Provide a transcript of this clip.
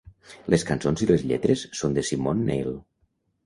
Les cançons i les lletres són de Simon Neil.